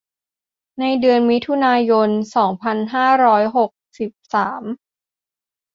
ในเดือนมิถุนายน สองพันห้าร้อยหกสิบสาม